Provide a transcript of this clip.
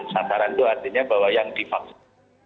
sasaran itu artinya bahwa yang divaksin